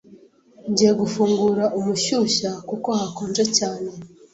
Ngiye gufungura umushyushya kuko hakonje cyane.